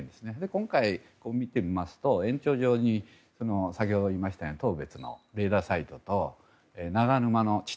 今回見てみますと延長上に先ほどありましたように当別のレーダー基地と長沼の地